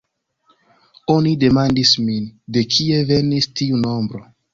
Oni demandis min, de kie venis tiu nombro.